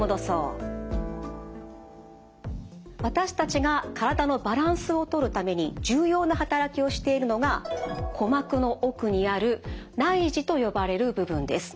私たちが体のバランスをとるために重要な働きをしているのが鼓膜の奥にある内耳と呼ばれる部分です。